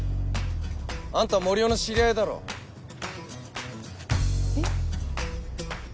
あんた森生の知り合いだろ？えっ？